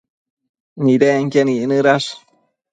nidequien icnëdash